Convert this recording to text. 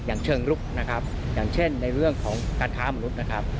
เชิงลุกนะครับอย่างเช่นในเรื่องของการค้ามนุษย์นะครับ